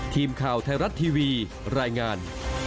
ทีมข่าวไทยรัฐทีวีรายงาน